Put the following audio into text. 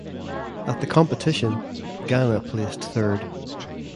At the competition Ghana placed third.